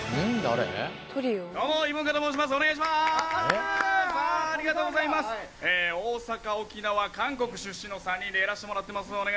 ありがとうございます大阪沖縄韓国出身の３人でやらしてもらってます